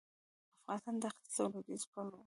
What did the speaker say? افغانستان د ختیځ او لویدیځ پل و